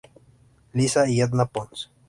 Lisa y Edna Pons.